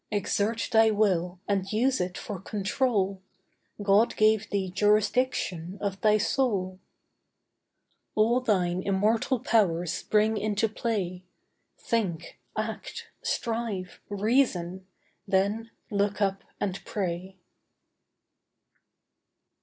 Exert thy will and use it for control; God gave thee jurisdiction of thy soul. All thine immortal powers bring into play; Think, act, strive, reason, then look up and pray.